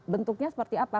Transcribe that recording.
bentuknya seperti apa